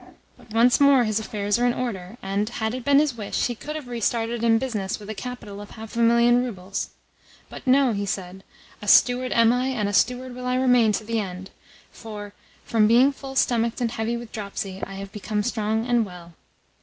Yet once more his affairs are in order, and, had it been his wish, he could have restarted in business with a capital of half a million roubles. 'But no,' he said. 'A steward am I, and a steward will I remain to the end; for, from being full stomached and heavy with dropsy, I have become strong and well.